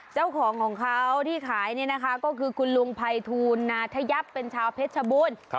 เจ้าของของเขาที่ขายเนี่ยนะคะก็คือคุณลุงภัยทูลนาธยับเป็นชาวเพชรชบูรณ์